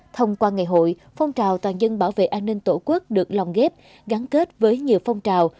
thông qua ngày hội phong trào toàn dân bảo vệ an ninh tổ quốc được lòng ghép gắn kết với nhiều phong trào